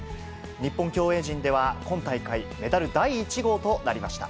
日本競泳陣では今大会メダル第１号となりました。